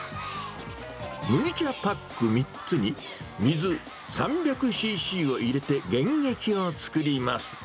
麦茶パック３つに水３００ＣＣを入れて原液を作ります。